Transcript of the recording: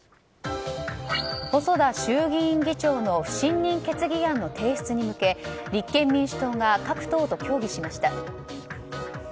細田衆議院議長の不信任決議案の提出に向け立憲民主党が各党と協議しました。